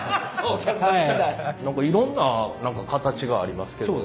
何かいろんな形がありますけど。